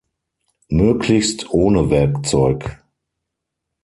Möglichst ohne Werkzeug.